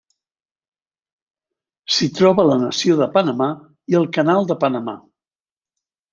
S'hi troba la nació de Panamà i el canal de Panamà.